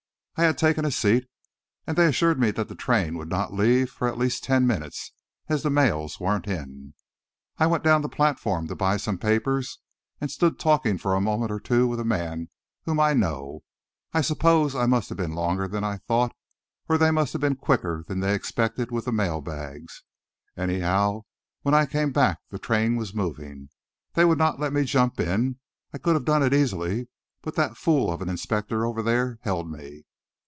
I had taken a seat, and they assured me that the train would not leave for at least ten minutes, as the mails weren't in. I went down the platform to buy some papers and stood talking for a moment or two with a man whom I know. I suppose I must have been longer than I thought, or they must have been quicker than they expected with the mailbags. Anyhow, when I came back the train was moving. They would not let me jump in. I could have done it easily, but that fool of an inspector over there held me."